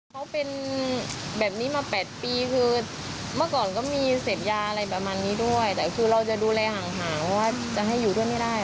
เขาเป็นแบบนี้มา๘ปีคือเมื่อก่อนก็มีเสพยาอะไรประมาณนี้ด้วยแต่คือเราจะดูแลห่างเพราะว่าจะให้อยู่ด้วยไม่ได้